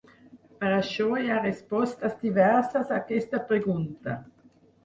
Per això hi ha respostes diverses a aquesta pregunta.